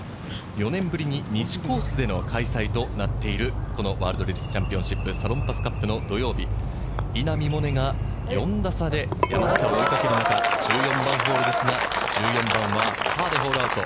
４年ぶりに西コースでの開催となっている、このワールドレディスチャンピオンシップサロンパスカップの土曜日、稲見萌寧が４打差で山下を追いかける中、１４番ホールですが、パーでホールアウト。